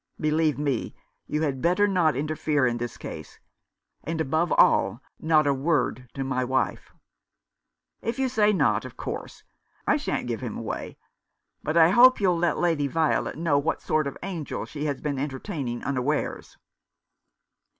" Believe me, you had better not interfere in this case ; and, above all, not a word to my wife." " If you say not, of course I shan't give him away ; but I hope you'll let Lady Violet know what sort of angel she has been entertaining un awares."